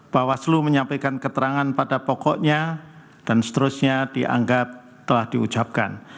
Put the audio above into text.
bawaslu menyampaikan keterangan pada pokoknya dan seterusnya dianggap telah diucapkan